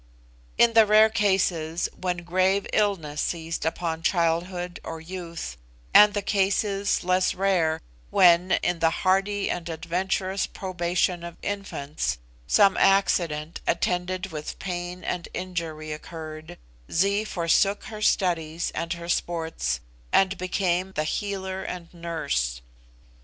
In the rare cases, when grave illness seized upon childhood or youth, and the cases, less rare, when, in the hardy and adventurous probation of infants, some accident, attended with pain and injury occurred, Zee forsook her studies and her sports, and became the healer and nurse.